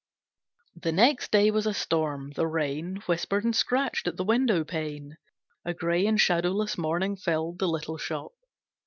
The next day was a storm, the rain Whispered and scratched at the window pane. A grey and shadowless morning filled The little shop.